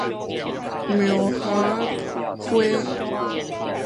妙蛤仔花